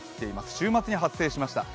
週末に発生しました。